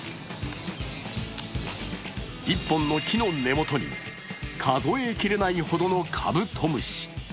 １本の木の根元に数え切れないほどのカブトムシ。